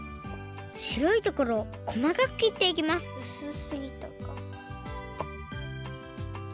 しろいところをこまかくきっていきますうすすぎたか。